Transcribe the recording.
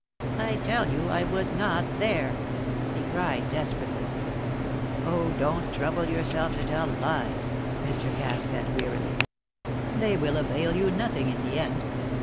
"I tell you I was not there!" he cried, desperately. "Oh, don't trouble yourself to tell lies," Mr. Cass said, wearily. "They will avail you nothing in the end.